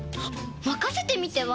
まかせてみては？